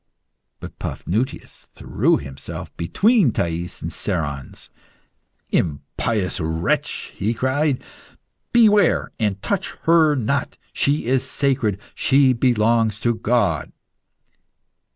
But Paphnutius threw himself between Thais and Cerons. "Impious wretch!" he cried, "beware and touch her not; she is sacred she belongs to God."